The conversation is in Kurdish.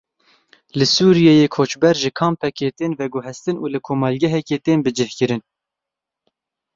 Li Sûriyeyê koçber ji kampekê tên veguheztin û li komelgehekê tên bicihkirin.